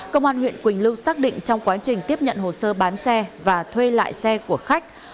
công an huyện quỳnh lưu xác định trong quá trình tiếp nhận hồ sơ bán xe và thuê lại xe của khách